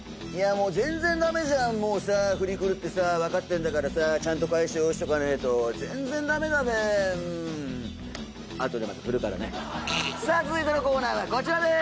もうさ振りくるってさ分かってんだからさちゃんと返し用意しとかないと全然ダメだべうんあとでまた振るからねさあ続いてのコーナーはこちらです！